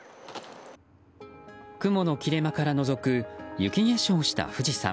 雲の切れ間からのぞく雪化粧した富士山。